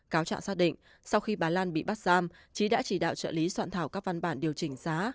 cáo trạng xác định sau khi bà lan bị bắt giam trí đã chỉ đạo trợ lý soạn thảo các văn bản điều chỉnh giá